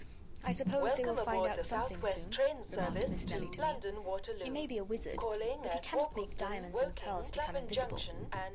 "I suppose they will find out something soon," remarked Miss Nelly to me. "He may be a wizard, but he cannot make diamonds and pearls become invisible."